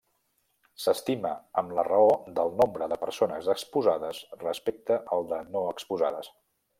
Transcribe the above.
S'estima amb la raó del nombre de persones exposades respecte al de no exposades.